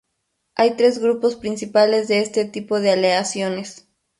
Hay tres grupos principales de este tipo de aleaciones.